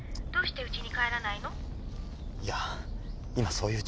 どうしてうちに帰らないの？